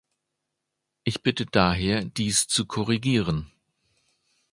Ich bitte daher, dies zu korrigieren.